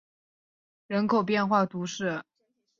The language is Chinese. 布朗日人口变化图示